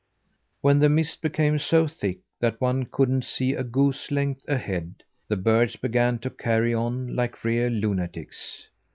When the mist became so thick that one couldn't see a goose length ahead, the birds began to carry on like real lunatics.